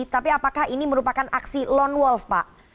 tapi apakah ini merupakan aksi lone wolf pak